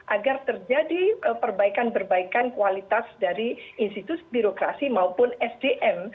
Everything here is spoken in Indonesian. agar terjadi perbaikan perbaikan kualitas dari institusi birokrasi maupun sdm